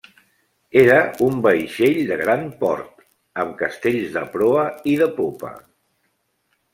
Era un vaixell de gran port, amb castells de proa i de popa.